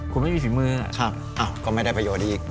คุณไม่มีฝีมือก็ไม่ได้ประโยชน์อีก